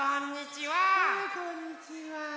はいこんにちは。